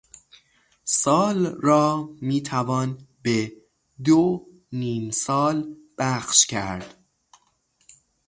سال را میتوان به دو نیمسال بخش کرد.